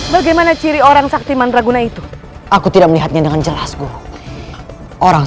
bagaimana ciri orang saktiman raguna itu aku tidak melihatnya dengan jelas guru orang